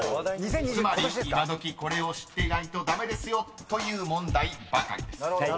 つまり今どきこれを知っていないと駄目ですよという問題ばかりです］